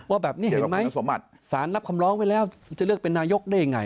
รู้ไหมสารนับคำร้องไว้แล้วจะเลือกเป็นนายกได้ยังไง